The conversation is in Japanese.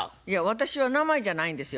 私は名前じゃないんですよ。